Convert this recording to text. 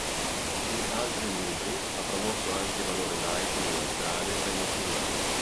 In altri libri ha promosso anche i valori laici universali tra i musulmani.